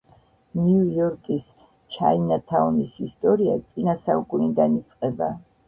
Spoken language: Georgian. ნიუ-იორკის „ჩაინათაუნის“ ისტორია, წინა საუკუნიდან იწყება.